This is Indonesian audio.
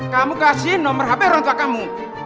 kamu kasih nomor hp orang tua kamu